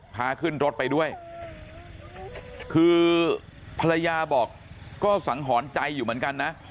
พาขึ้นรถไปด้วยคือภรรยาบอกก็สังหรณ์ใจอยู่เหมือนกันนะ